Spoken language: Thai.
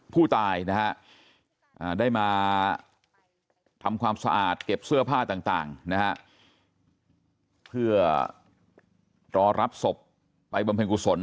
ผู้ตายนะฮะได้มาทำความสะอาดเก็บเสื้อผ้าต่างนะฮะเพื่อรอรับศพไปบำเพ็ญกุศล